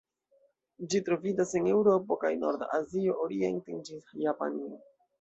Ĝi troviĝas en Eŭropo kaj norda Azio orienten ĝis Japanio.